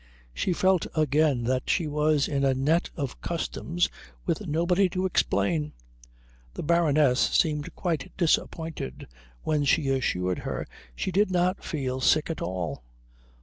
She felt again that she was in a net of customs, with nobody to explain. The Baroness seemed quite disappointed when she assured her she did not feel sick at all.